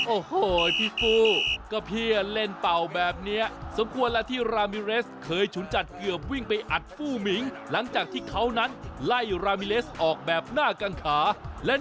โอ้โหพี่ฟู้ก็เพียนเล่นเป่าแบบนี้สมควรและที่ลามิเรสเคยชุนจัดเกือบวิ่งไปอัดฟู้มิ้งหลังจากที่เขานั้นไล่ละเอียดกันครับ